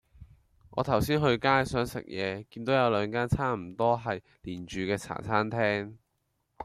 我頭先去街,想食野見到有兩間差唔多係連住既茶餐廳